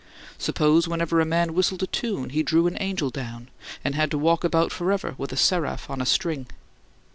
Suppose whenever a man whistled a tune he "drew an angel down" and had to walk about forever with a seraph on a string.